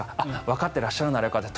わかってらっしゃるならよかった。